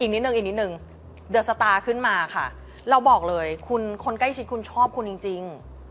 นิดนึงอีกนิดนึงเดี๋ยวสตาร์ขึ้นมาค่ะเราบอกเลยคุณคนใกล้ชิดคุณชอบคุณจริง